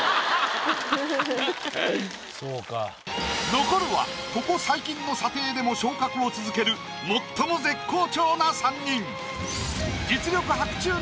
残るはここ最近の査定でも昇格を続ける最も絶好調な３人。